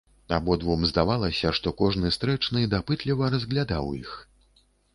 Абодвум здавалася, што кожны стрэчны дапытліва разглядаў іх.